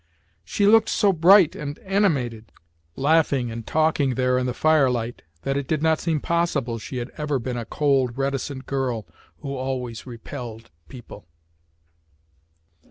She looked so bright and animated, laughing and talking there in the firelight, that it did not seem possible she had ever been a cold, reticent girl, who always repelled people."